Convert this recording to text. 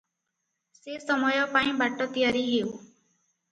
ସେ ସମୟ ପାଇଁ ବାଟ ତିଆରି ହେଉ ।